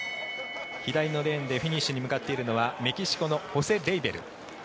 左のレーンでフィニッシュに向かっているのはメキシコのホセ・レイベル。